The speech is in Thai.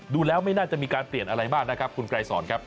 ดูแล้วไม่น่าจะมีการเปลี่ยนอะไรมากนะครับคุณไกรสอนครับ